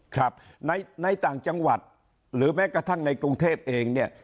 ครับในต่างจังหวัดหรือแม้กระทั่งในกรุงเทพเองเนี่ย